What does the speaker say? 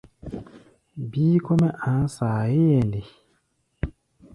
Bíí kɔ́-mɛ́ a̧a̧ saayé hɛ̧ɛ̧ nde?